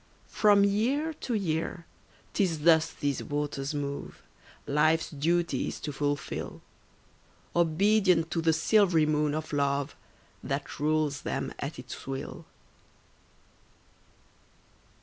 From year to year 'tis thus these waters move, Life's duties to fulfill; Obedient to the silvery moon of love, That rules them at its will.